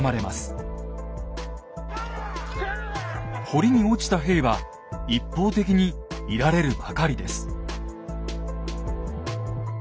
堀に落ちた兵は一方的に射られるばかりです。